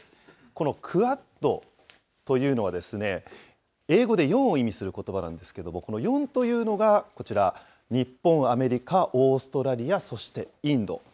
このクアッドというのは、英語で４を意味することばなんですけれども、この４というのが、こちら、日本、アメリカ、オーストラリア、そしてインド。